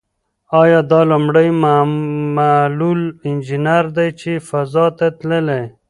ایا دا لومړنۍ معلول انجنیر ده چې فضا ته تللې؟